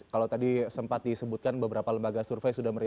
kalau tadi sempat disebutkan beberapa lembaga survei sudah menerima